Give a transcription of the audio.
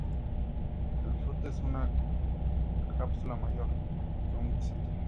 El fruto es una cápsula mayor que un guisante.